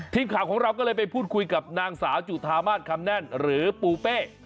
ทีมข่าวของเราก็เลยไปพูดคุยกับนางสาวจุธามาศคำแน่นหรือปูเป้